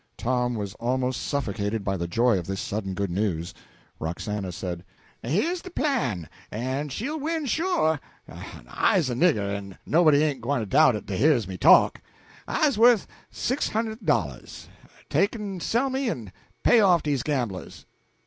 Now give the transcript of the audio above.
Tom was almost suffocated by the joy of this sudden good news. Roxana said: "Here is de plan, en she'll win, sure. I's a nigger, en nobody ain't gwyne to doubt it dat hears me talk. I's wuth six hund'd dollahs. Take en sell me, en pay off dese gamblers."